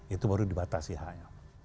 itu baru dibatasi hanya